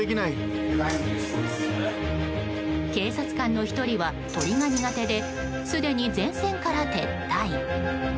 警察官の１人は鳥が苦手ですでに前線から撤退。